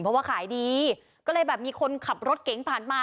เพราะว่าขายดีก็เลยแบบมีคนขับรถเก๋งผ่านมา